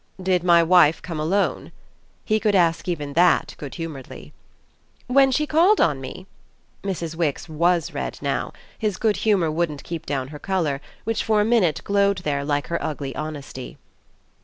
"Did my wife come alone?" He could ask even that good humouredly. "When she called on me?" Mrs. Wix WAS red now: his good humour wouldn't keep down her colour, which for a minute glowed there like her ugly honesty.